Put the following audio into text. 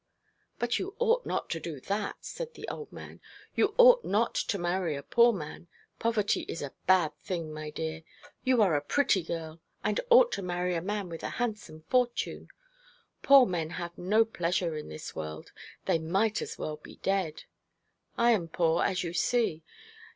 'But you ought not to do that,' said the old man. 'You ought not to marry a poor man. Poverty is a bad thing, my dear. You are a pretty girl, and ought to marry a man with a handsome fortune. Poor men have no pleasure in this world they might just as well be dead. I am poor, as you see.